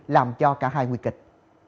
làm cho cả hai nguy kịch